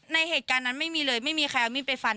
ในเหตุการณ์นั้นไม่มีเลยไม่มีใครเอามีดไปฟัน